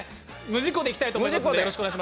無事故でいきたいと思います。